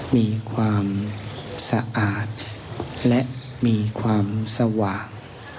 มีความสะอาดและมีความสว่าง